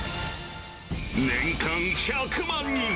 年間１００万人。